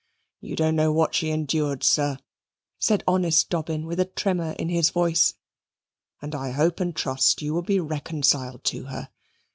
"You don't know what she endured, sir," said honest Dobbin with a tremor in his voice, "and I hope and trust you will be reconciled to her.